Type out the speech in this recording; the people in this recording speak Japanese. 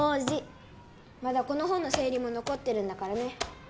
まだこの本の整理ものこってるんだからね。